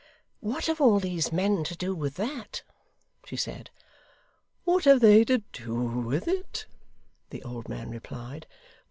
'What have all these men to do with that?' she said. 'What have they to do with it!' the old man replied.